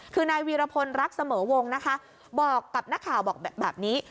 คือนายวีรพลรักเสมอวงนะคะบอกกับนักข่าวบอกแบบนี้